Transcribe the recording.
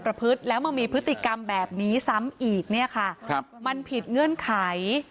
พฤติแล้วมันมีพฤติกรรมแบบนี้ซ้ำอีกเนี่ยค่ะครับมันผิดเงื่อนไข